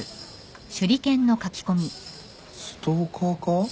ストーカーか？